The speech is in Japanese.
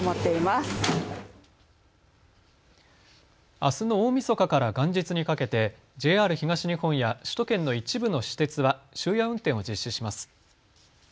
あすの大みそかから元日にかけてＪＲ東日本や首都圏の一部の私鉄は終夜運転を実施します。